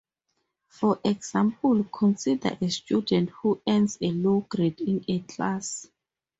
For example, consider a student who earns a low grade in a class.